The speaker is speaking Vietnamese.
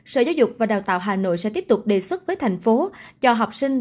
sở giáo dục và đào tạo hà nội sẽ tiếp tục đề xuất với thành phố cho học sinh